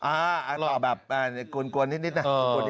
ฮะอ่าอ่าแบบกลัวนิดน่ะ